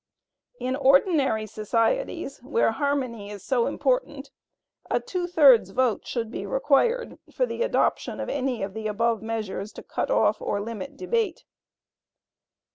In ordinary societies, where harmony is so important, a two thirds vote should be required for the adoption of any of the above motions to cut off or limit debate.